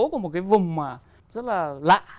của một cái vùng mà rất là lạ